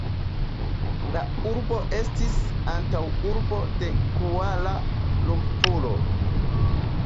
La urbo estis antaŭurbo de Kuala-Lumpuro.